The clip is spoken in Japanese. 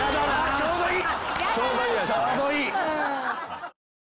ちょうどいい。